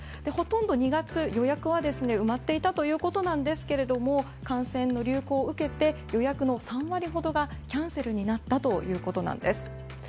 ほとんど２月予約は埋まっていたということなんですが感染の流行を受けて予約の３割ほどがキャンセルになったということです。